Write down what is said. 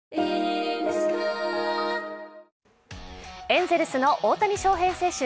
エンゼルスの大谷翔平選手